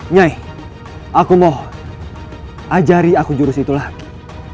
nyai aku mau ajari aku jurus itu lagi